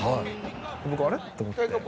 僕、あれ？って思って。